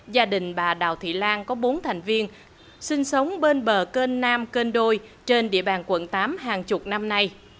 gia đình bà đào thị lan có bốn thành viên sinh sống bên bờ kênh nam kênh đôi trên địa bàn quận tám hàng chục năm nay